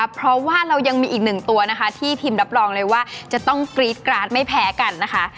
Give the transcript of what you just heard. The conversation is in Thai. เพราะว่าเรายังมีอีกหนึ่งตัวนะคะที่ทีมรับรองเลยว่าจะต้องกรี๊ดกราดไม่แพ้กันนะคะ